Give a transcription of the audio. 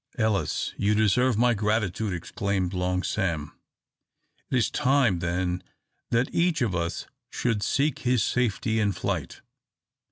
"Ellis, you deserve my gratitude!" exclaimed Long Sam. "It is time then that each of us should seek his safety in flight.